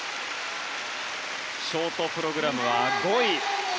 ショートプログラムは５位。